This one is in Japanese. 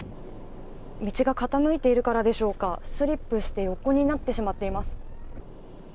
道が傾いているからでしょうか、スリップして横になってしまっています。